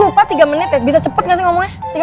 lu lupa tiga menit ya bisa cepet nggak sih ngomongnya